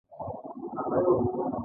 دا ملاتړ حقوقو او اړتیاوو ته د رسیدو دی.